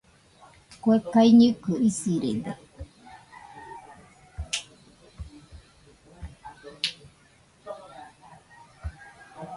Kue kaiñɨkɨ isirede